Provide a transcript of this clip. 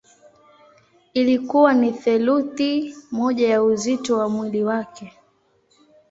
Ilikuwa ni theluthi moja ya uzito wa mwili wake.